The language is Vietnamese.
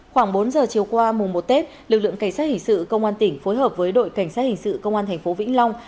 khoảng bốn giờ chiều qua mùng một tết lực lượng cảnh sát hình sự công an tỉnh phối hợp với đội cảnh sát hình sự công an thành phố vĩnh long